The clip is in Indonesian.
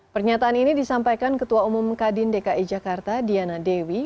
pernyataan ini disampaikan ketua umum kadin dki jakarta diana dewi